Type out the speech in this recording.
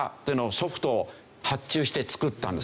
ソフトを発注して作ったんですね。